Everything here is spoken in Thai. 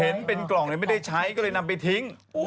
เห็นเป็นกล่องเลยไม่ได้ใช้ก็เลยนำไปทิ้ง